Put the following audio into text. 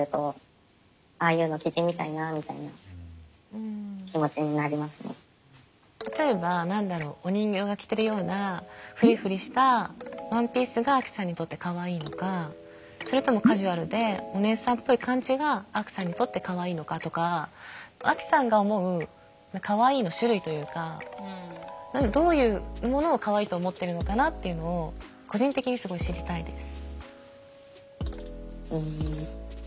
うんまあそんな何か例えば何だろうお人形が着てるようなフリフリしたワンピースがアキさんにとってかわいいのかそれともカジュアルでお姉さんっぽい感じがアキさんにとってかわいいのかとかアキさんが思うかわいいの種類というかどういうものをかわいいと思ってるのかなっていうのを個人的にすごい知りたいです。